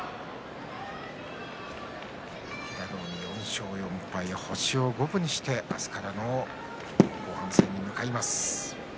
平戸海は４勝４敗で星を五分にして明日からの後半戦に向かいます。